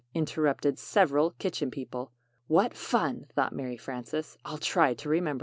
interrupted several Kitchen People. ("What fun!" thought Mary Frances. "I'll try to remember it.")